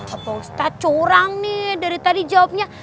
apa ustadz curang nih dari tadi jawabnya